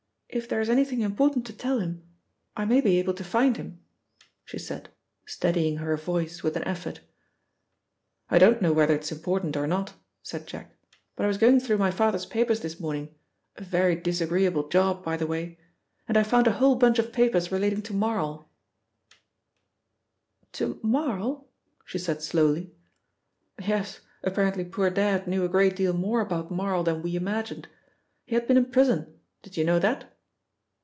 If there is anything important to tell him, I may be able to find him," she said, steadying her voice with an effort. "I don't know whether it's important or not," said Jack, "but I was going through my father's papers this morning, a very disagreeable job, by the way, and I found a whole bunch of papers relating to Marl." "To Marl?" she said slowly. "Yes, apparently poor Dad knew a great deal more about Marl than we imagined. He had been in prison: did you know that?"